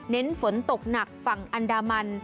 ฝนตกหนักฝั่งอันดามัน